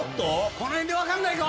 この辺で分かんないか？